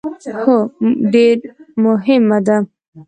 هو، ډیر مهم ده